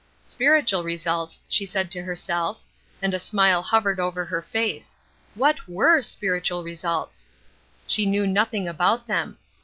"Spiritual results," she said to herself, and a smile hovered over her face what were "spiritual results?" She knew nothing about them.